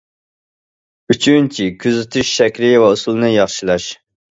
ئۈچىنچى، كۆزىتىش شەكلى ۋە ئۇسۇلىنى ياخشىلاش.